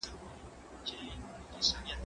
که وخت وي، کتابونه وړم؟!